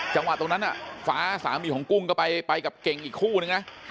จังหวะตรงนั้นฟ้าสามีของกุ้งก็ไปกับเก่งอีกคู่นึงนะ